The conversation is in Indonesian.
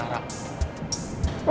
jangan kesempatan untuk deket lagi sama rara